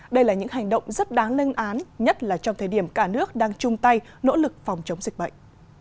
đây là những hành động rất đáng lên án nhất là trong thời điểm cả nước đang chung tay nỗ lực phòng chống dịch bệnh